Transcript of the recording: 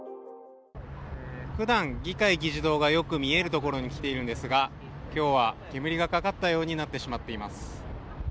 ふだん議会議事堂がよく見えるところに来ているのですが今日は煙がかかったようになってしまっています。